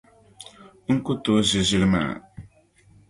N ku tooi ʒi ʒili maa.